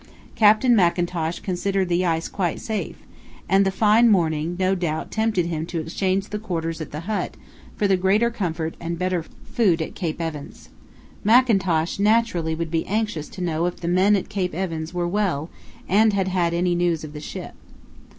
Captain Mackintosh considered the ice quite safe, and the fine morning no doubt tempted him to exchange the quarters at the hut for the greater comfort and better food at Cape Evans." (Mackintosh naturally would be anxious to know if the men at Cape Evans were well and had any news of the ship.)